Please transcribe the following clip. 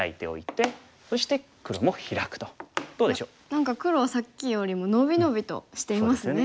何か黒はさっきよりも伸び伸びとしていますね。